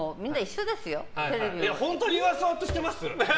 本当に言わそうとしてます？